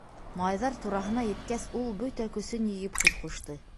Малайҙар тураһына еткәс, ул, бөтә көсөн йыйып, һүҙ ҡушты: